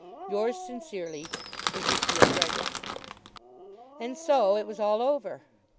Yours sincerely, EZEKIEL BREHGERT. And so it was all over!